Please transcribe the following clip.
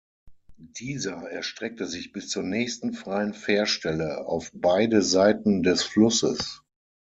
Dieser erstreckte sich bis zur nächsten freien Fährstelle auf beide Seiten des Flusses.